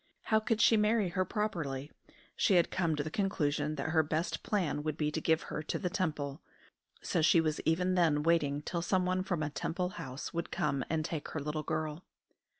How could she marry her properly? She had come to the conclusion that her best plan would be to give her to the Temple. So she was even then waiting till someone from a Temple house would come and take her little girl.